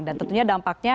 dan tentunya dampaknya